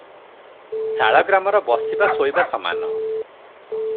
ଶାଳଗ୍ରାମର ବସିବା ଶୋଇବା ସମାନ ।